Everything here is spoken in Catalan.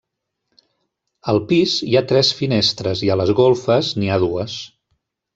Al pis hi ha tres finestres i a les golfes n'hi ha dues.